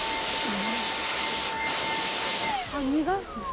あっ逃がす？